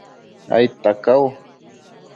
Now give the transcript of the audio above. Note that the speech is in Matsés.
aidta cau